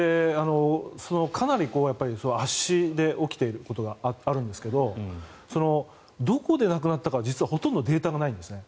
かなり圧死が起きていることがあるんですがどこで亡くなったか実はほとんどデータがないんですね。